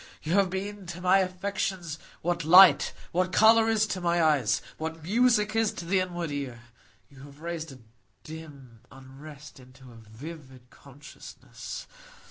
You have been to my affections what light, what colour is to my eyes, what music is to the inward ear, you have raised a dim unrest into a vivid consciousness.